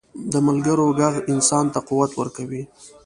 د ملګرو ږغ انسان ته قوت ورکوي.